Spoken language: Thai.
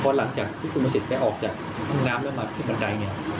พอหลังจากที่คุณประสิทธิ์ได้ออกจากห้องน้ำแล้วมาขึ้นบันไดเนี่ย